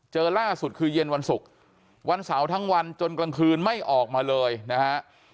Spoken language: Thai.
เจอล่าสุดคือเย็นวันศุกร์วันเสาร์ทั้งวันจนกลางคืนไม่ออกมาเลยนะฮะ